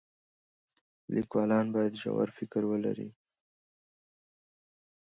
لیکوالان باید ژور فکر ولري.